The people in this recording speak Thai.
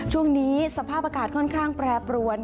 ช่วงนี้สภาพอากาศค่อนข้างแปรปรวน